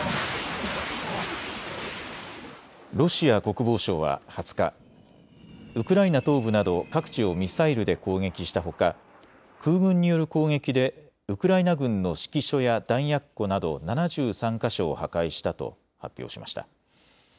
ロシア国防省は２０日、ウクライナ東部など各地をミサイルで攻撃したほか空軍による攻撃でウクライナ軍の指揮所や弾薬庫など７３か所を破壊したと発表しました。